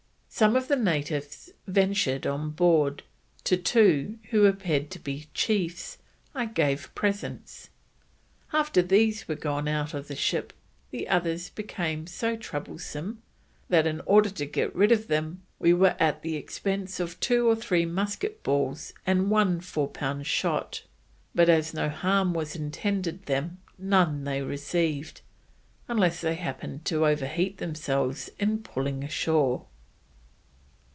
"Some of the natives ventur'd on board; to two, who appeared to be chiefs, I gave presents. After these were gone out of the ship, the others became so Troublesome that in order to get rid of them, we were at the expense of two or three Musquet Balls and one 4 pound shott, but as no harm was intended them, none they received, unless they happened to overheat themselves in pulling ashore."